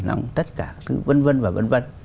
bằng tất cả thứ vân vân và vân vân